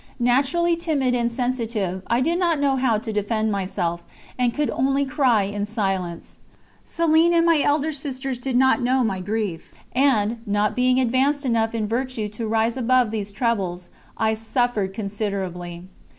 Naturally timid and sensitive, I did not know how to defend myself, and could only cry in silence. Céline and my elder sisters did not know of my grief, and, not being advanced enough in virtue to rise above these troubles, I suffered considerably.